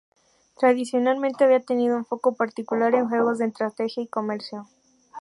Tradicionalmente había tenido un foco particular en juegos de estrategia y comercio.